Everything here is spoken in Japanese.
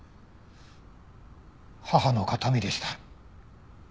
母の形見でした。